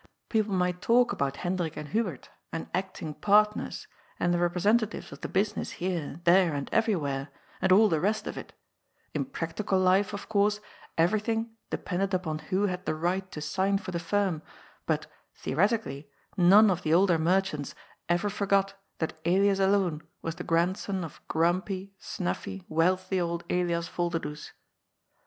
People might talk about Hen drik and Hubert, and acting partners, and the representa tives of the business here, there and everywhere, and all the rest of it ; in practical life, of course, everything depended upon who had the right to sign for the firm, but, theoreti cally, none of the older merchants ever forgot that Elias alone was the grandson of grumpy, snuffy, wealthy old Elias Volderdoes.